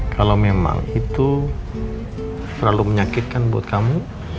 kalau memang itu terlalu menyakitkan buat kamu